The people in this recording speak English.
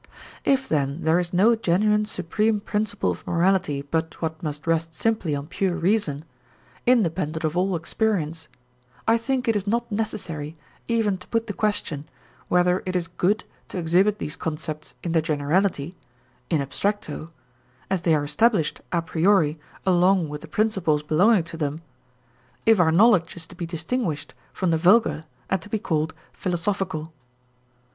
If then there is no genuine supreme principle of morality but what must rest simply on pure reason, independent of all experience, I think it is not necessary even to put the question whether it is good to exhibit these concepts in their generality (in abstracto) as they are established a priori along with the principles belonging to them, if our knowledge is to be distinguished from the vulgar and to be called philosophical.